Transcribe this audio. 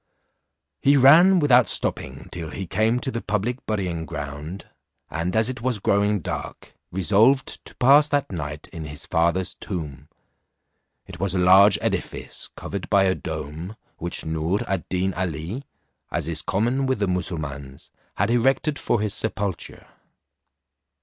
He ran without stopping till he came to the public burying ground, and as it was growing dark, resolved to pass that night in his father's tomb. It was a large edifice, covered by a dome, which Noor ad Deen Ali, as is common with the Mussulmauns, had erected for his sepulture.